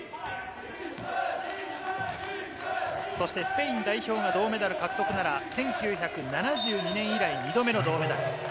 そしてスペイン代表も銅メダル獲得なら１９７２年以来２度目の銅メダル。